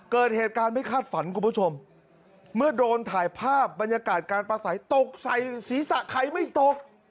เกิดเหตุการณ์ไม่คาดฝันคุณผู้ชมเมื่อโดนถ่ายภาพบรรยากาศการประสัยตกใส่ศีรษะใครไม่ตก